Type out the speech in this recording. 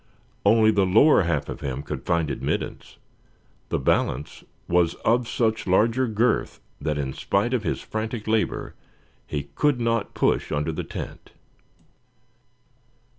Only the lower half of him could find admittance; the balance was of such larger girth that in spite of his frantic labor he could not push under the tent.